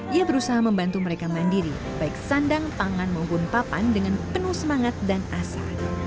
ia berusaha membantu mereka mandiri baik sandang pangan maupun papan dengan penuh semangat dan asa